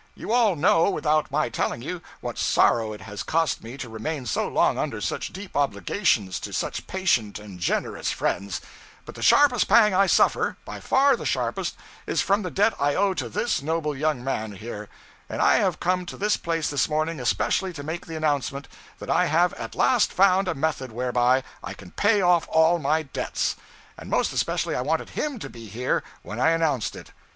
You all know, without my telling you, what sorrow it has cost me to remain so long under such deep obligations to such patient and generous friends; but the sharpest pang I suffer by far the sharpest is from the debt I owe to this noble young man here; and I have come to this place this morning especially to make the announcement that I have at last found a method whereby I can pay off all my debts! And most especially I wanted _him _to be here when I announced it.